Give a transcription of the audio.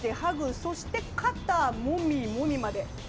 そして、肩をもみもみまで。